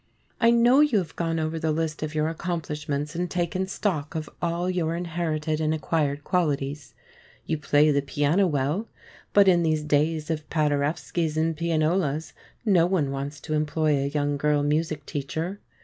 I know you have gone over the list of your accomplishments and taken stock of all your inherited and acquired qualities. You play the piano well, but in these days of Paderewskies and pianolas, no one wants to employ a young girl music teacher.